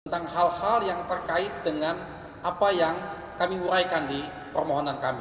tentang hal hal yang terkait dengan apa yang kami uraikan di permohonan kami